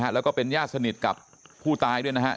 แล้วก็เป็นญาติสนิทกับผู้ตายด้วยนะครับ